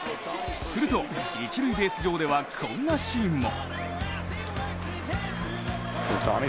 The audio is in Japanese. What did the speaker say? すると、一塁ベース上ではこんなシーンも。